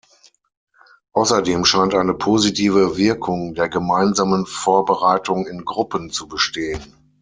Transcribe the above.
Außerdem scheint eine positive Wirkung der gemeinsamen Vorbereitung in Gruppen zu bestehen.